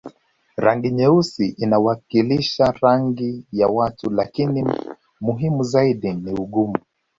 Rangi nyeusi inawakilisha rangi ya watu lakini muhimu zaidi ni ugumu